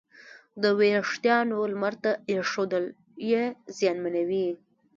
د وېښتیانو لمر ته ایښودل یې زیانمنوي.